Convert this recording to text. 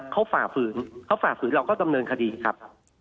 เขาฝ่าฝืนเขาฝ่าฝืนเราก็ดำเนินคดีครับ